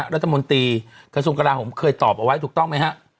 รัฐมนตรีกระทรวงกราหมเคยตอบเอาไว้ถูกต้องไหมฮะ